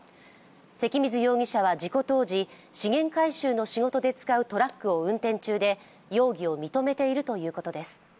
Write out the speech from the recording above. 関水容疑者は事故当時、資源回収の仕事で使うトラックを運転中で、容疑を認めているということです。